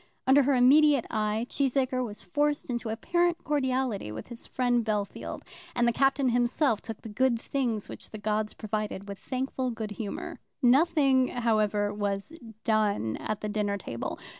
Under her immediate eye Cheesacre was forced into apparent cordiality with his friend Bellfield, and the Captain himself took the good things which the gods provided with thankful good humour. Nothing, however, was done at the dinner table.